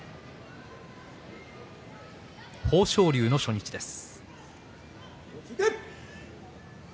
豊昇龍の初日です。